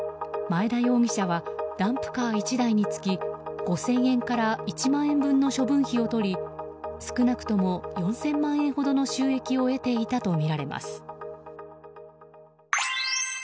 前田容疑者はダンプカー１台につき５０００円から１万円分の処分費を取り少なくとも４０００万円ほどの収益を得ていたとみられます。